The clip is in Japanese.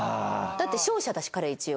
だって商社だし彼一応。